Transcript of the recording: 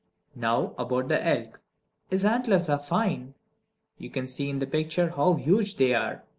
Now about the elk. His antlers are fine! You can see in the picture how huge they are.